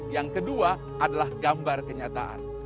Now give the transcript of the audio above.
yang kedua adalah gambar kenyataan